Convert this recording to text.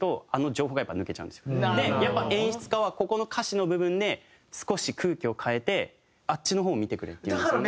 やっぱ演出家はここの歌詞の部分で少し空気を変えて「あっちの方を見てくれ」って言うんですよね。